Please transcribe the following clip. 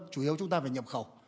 chủ yếu chúng ta phải nhập khẩu